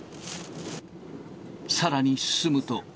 さらに進むと。